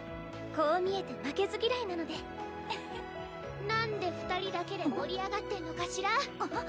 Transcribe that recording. こう見えて負けず嫌いなので何で二人だけで盛り上がってんのかしら？